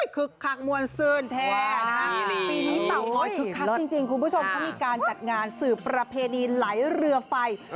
คักมวลซื่นแท้ปีนี้เต่าง้อยคึกคักจริงคุณผู้ชมเขามีการจัดงานสืบประเพณีไหลเรือไฟ